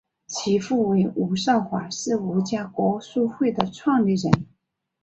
其父为伍绍华是伍家国术会的创立人。